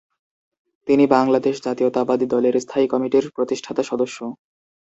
তিনি বাংলাদেশ জাতীয়তাবাদী দলের স্থায়ী কমিটির প্রতিষ্ঠাতা সদস্য।